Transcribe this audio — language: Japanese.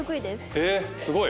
えーっすごい！